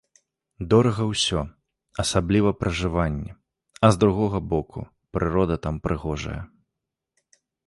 Дорага ўсё, асабліва пражыванне, а з другога боку, прырода там прыгожая.